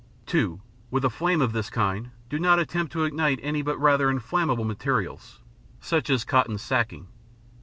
(2) With a flame of this kind, do not attempt to ignite any but rather inflammable materials, such as cotton sacking.